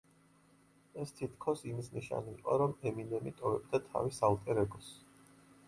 ეს თითქოს იმის ნიშანი იყო, რომ ემინემი ტოვებდა თავის ალტერ-ეგოს.